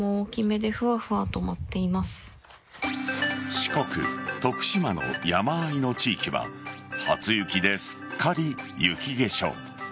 四国・徳島の山あいの地域は初雪ですっかり雪化粧。